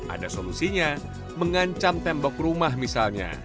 ada solusinya mengancam tembok rumah misalnya